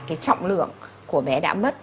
cái trọng lượng của bé đã mất